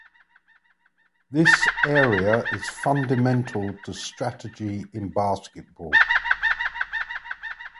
This area is fundamental to strategy in basketball.